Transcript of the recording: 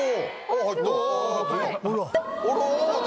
あら！